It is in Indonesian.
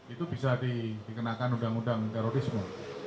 itu bisa dikenakan undang undang terorisme